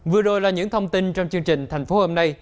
vừa rồi là những thông tin trong chương trình thành phố hôm nay